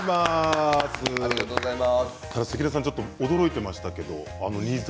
関根さん、驚いていましたね煮魚。